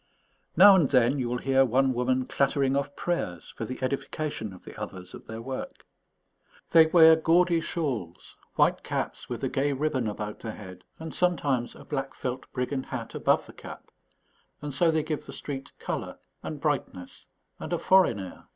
Now and then you will hear one woman clattering off prayers for the edification of the others at their work. They wear gaudy shawls, white caps with a gay ribbon about the head, and sometimes a black felt brigand hat above the cap; and so they give the street colour and brightness and a foreign air.